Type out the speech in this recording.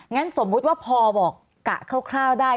สมมุติว่าพอบอกกะคร่าวได้